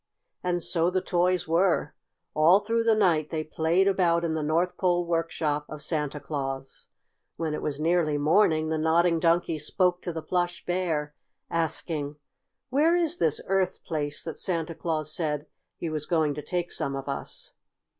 And so the toys were. All through the night they played about in the North Pole workshop of Santa Claus. When it was nearly morning the Nodding Donkey spoke to the Plush Bear, asking: "Where is this Earth place, that Santa Claus said he was going to take some of us?"